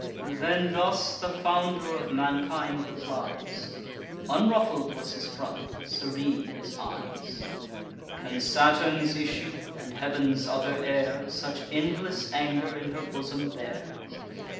Then thus the founder of mankind replies (Unruffled was his front, serene his eyes) "Can Saturn's issue, and heav'n's other heir, Such endless anger in her bosom bear?